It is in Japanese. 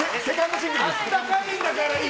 「あったかいんだからぁ」